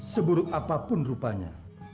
seburuk apapun rupanya